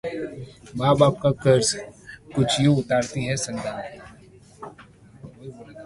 मां-बाप का 'कर्ज' कुछ यूं उतारती हैं संतानें...